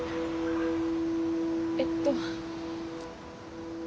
えっと。